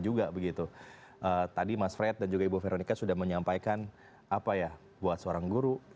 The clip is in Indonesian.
juga begitu tadi mas fred dan juga ibu veronica sudah menyampaikan apa ya buat seorang guru